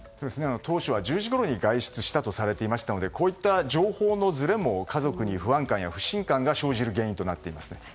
当初は１０時ごろに外出したとされていましたのでこういった情報のずれも家族に不安感や不信感が生じる原因となっています。